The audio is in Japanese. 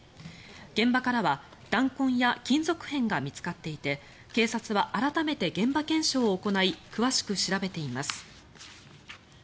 現場からは弾痕や金属片が見つかっていて警察は改めて現場検証を行い詳しく調べています。